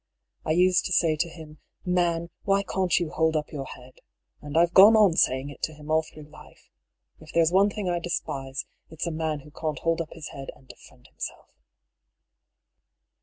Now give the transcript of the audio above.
I used to say to him :' Man, why can't you hold up your head ?' And I've gone on saying it to him all through life. If there's one thing I despise, it's a man who can't hold up his head and defend himself."